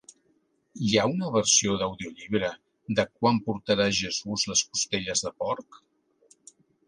Hi ha una versió d'audiollibre de Quan portarà Jesús les costelles de porc?